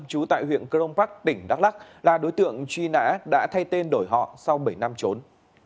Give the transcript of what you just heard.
trú tại huyện crong park tỉnh đắk lắc là đối tượng truy nã đã thay tên đổi họ sau bảy năm trốn